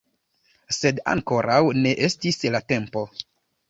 Sed ankoraŭ ne estis la tempo.